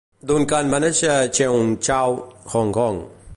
Duncan va néixer a Cheung Chau, Hong Kong.